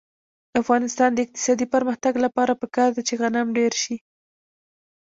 د افغانستان د اقتصادي پرمختګ لپاره پکار ده چې غنم ډېر شي.